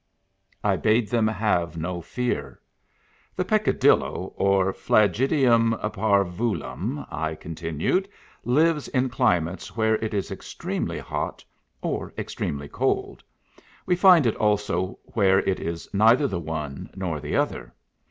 I bade them have no fear. " The Peccadillo, or Flagitium fiarvuhtm" I con tinued, "lives in climates where it is extremely hot, or extremely cold. We find it also where it is nei ther the one nor the other.